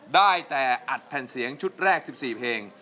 ได้แต่อัดแผ่นเสียงชุดแรก๑๔เพลง